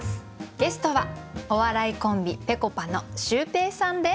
ゲストはお笑いコンビぺこぱのシュウペイさんです。